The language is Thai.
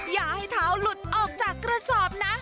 อย่าให้เท้าหลุดออกจากกระสอบนะ